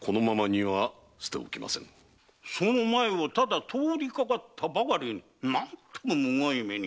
その前をただ通りかかったばかりに何とも惨い目に。